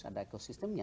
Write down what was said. terus ada ekosistemnya